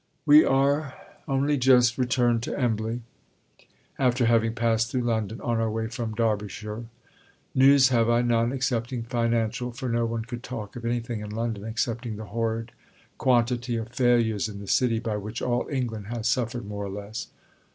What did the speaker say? We are only just returned to Embley, after having passed through London, on our way from Derbyshire. News have I none, excepting financial, for no one could talk of anything in London excepting the horrid quantity of failures in the City, by which all England has suffered more or less.